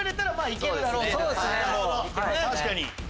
確かに。